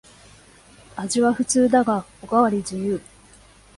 味は普通だがおかわり自由